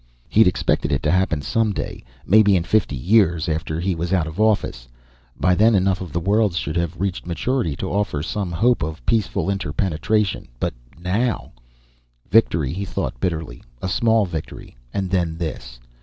He'd expected it to happen some day, maybe in fifty years, after he was out of the office. By then enough of the worlds should have reached maturity to offer some hope of peaceful interpenetration. But now Victory, he thought bitterly. A small victory, and then this.